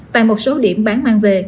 tại một số điểm bán mang về